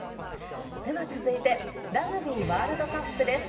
では続いて、ラグビーワールドカップです。